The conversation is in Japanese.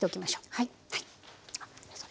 はい。